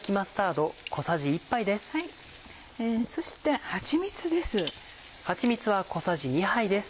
そしてはちみつです。